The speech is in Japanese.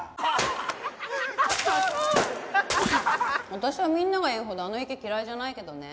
私はみんなが言うほどあの池嫌いじゃないけどね。